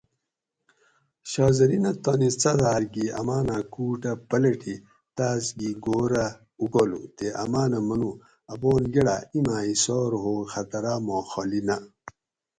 "شاہ زرینہ تانی څاداۤر گی اماناۤں کُوٹہ پلٹی تاۤس گھی گھور رہ اُوکالو تے امانہ منو ""اپان گڑاۤ اینماۤ ہِسار ہوگ خطراۤ ما خالی نہ"""